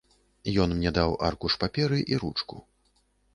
Ён мне даў аркуш паперы і ручку.